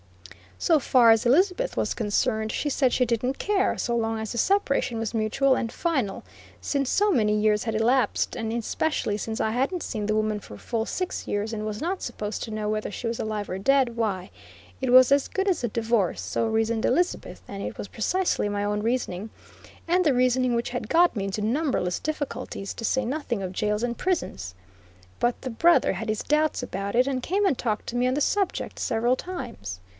So far as Elizabeth was concerned, she said she didn't care; so long as the separation was mutual and final, since so many years had elapsed, and especially since I hadn't seen the woman for full six years, and was not supposed to know whether she was alive or dead, why, it was as good as a divorce; so reasoned Elizabeth, and it was precisely my own reasoning, and the reasoning which had got me into numberless difficulties, to say nothing of jails and prisons. But the brother had his doubts about it, and came and talked to me on the subject several times.